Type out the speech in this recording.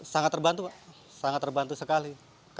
sangat terbantu pak sangat terbantu sekali